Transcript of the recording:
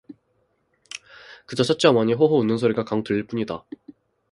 그저 첫째 어머니의 호호 웃는 소리가 간혹 들릴 뿐이다.